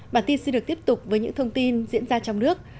bản tin sẽ được tiếp tục với những thông tin diễn ra trong nước